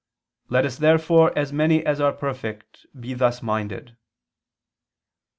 3:15): "Let us therefore as many as are perfect, be thus minded."